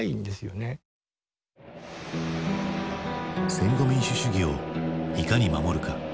戦後民主主義をいかに守るか。